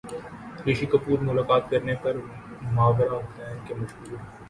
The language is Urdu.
رشی کپور ملاقات کرنے پر ماورا حسین کے مشکور